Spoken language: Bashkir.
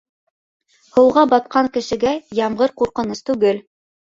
Һыуға батҡан кешегә ямғыр ҡурҡыныс түгел.